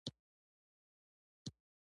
افغانستان کې د ملي ورزشونو لوبې خورا مشهورې دي